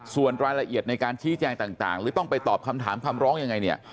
ส่วนรายละเอียดในการชี้แจงต่างหรือต้องไปตอบคำถามคำร้องยังไงเนี่ย